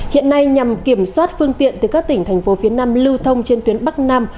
hiện nay nhằm kiểm soát phương tiện từ các tỉnh thành phố phía nam lưu thông trên tuyến bắc nam